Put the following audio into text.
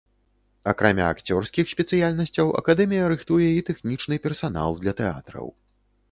Акрамя акцёрскіх спецыяльнасцяў акадэмія рыхтуе і тэхнічны персанал для тэатраў.